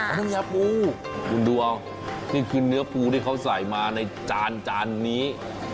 น้ำยาปูคุณดูเอานี่คือเนื้อปูที่เขาใส่มาในจานจานนี้